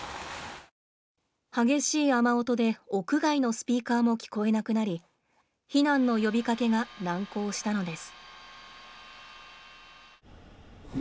激しい雨音で屋外のスピーカーも聞こえなくなり避難の呼びかけが難航したのです。